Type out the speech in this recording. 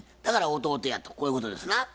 だから弟やとこういうことですな。